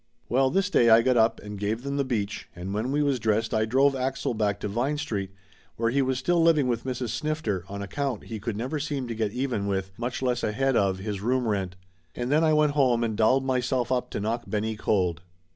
Well, this day I got up and gave them the beach, and when we was dressed I drove Axel back to Vine Street, where he was still living with Mrs. Snifter on account he could never seem to get even with, much less ahead, of his room rent. And then I went home and dolled myself up to knock Benny cold.